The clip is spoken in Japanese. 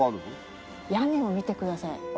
屋根を見てください。